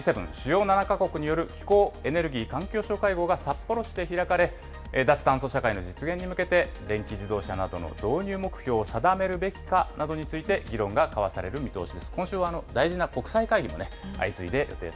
そして一番下、Ｇ７・主要７か国による気候・エネルギー・環境相会合が札幌市で開かれ、脱炭素社会の実現に向けて、電気自動車などの導入目標を定めるべきかなどについて議論が交わされる見通しです。